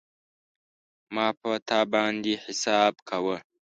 ما په تا باندی حساب کاوه